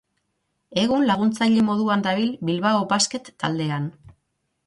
Egun laguntzaile moduan dabil Bilbao Basket taldean.